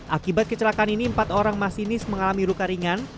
akibat kecelakaan ini empat orang masinis mengalami luka ringan